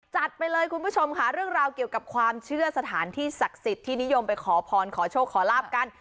จัดไปเลยคุณผู้ชมค่ะเรื่องราวเกี่ยวกับความเชื่อสถานที่ศักดิ์สิทธิ์ที่นิยมไปขอพรขอโชคขอลาบกัน